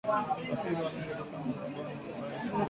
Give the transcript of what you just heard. Usafiri wa meli bukama kongolo ni mubaya sana